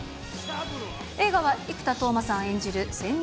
映画は生田斗真さん演じる潜入